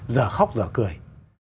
giờ khóc giờ cười